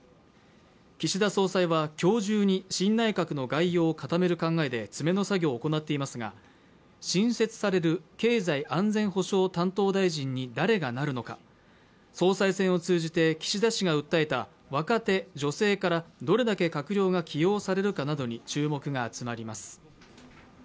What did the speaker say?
岸田総裁は今日中に新内閣の概要を固める考えで詰めの作業を行っていますが、新設される経済安全保障担当大臣に誰がなるのか、総裁選を通じて岸田氏が訴えた若手・女性からどれだけ閣僚が起用されるかなどに注目が集まります。